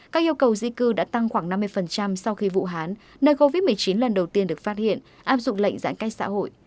các yêu cầu di cư đã tăng khoảng năm mươi sau khi vũ hán nơi covid một mươi chín lần đầu tiên được phát hiện áp dụng lệnh giãn cách xã hội